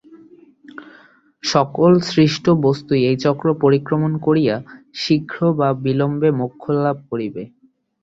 সকল সৃষ্ট বস্তুই এই চক্র পরিক্রমণ করিয়া শীঘ্র বা বিলম্বে মোক্ষলাভ করিবে।